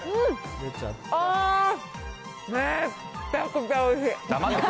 あー、めっちゃくちゃおいしい。